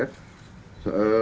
pak daniel ya